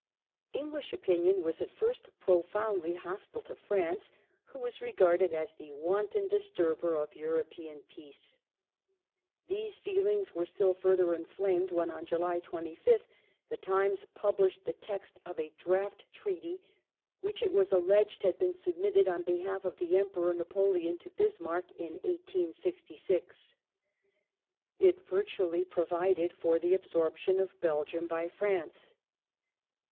English opinion was at fii st profoundly hostile to France, who The atti was regarded as the wanton disturber of European peace. These England feelings were still further inflamed when, on July 25th, The Times published the text of a draft Treaty, which it was alleged had been submitted on behalf of the Emperor Napoleon to Bismarck in 1866. It virtually provided for the absorption of Belgium by France.